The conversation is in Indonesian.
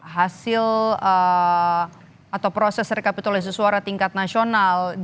hasil atau proses rekapitulasi suara tingkat nasional